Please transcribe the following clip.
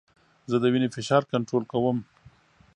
زه د وینې فشار کنټرول کوم.